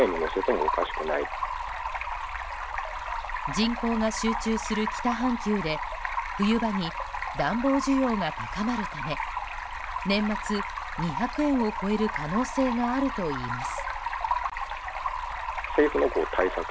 人口が集中する北半球で冬場に暖房需要が高まるため年末、２００円を超える可能性があるといいます。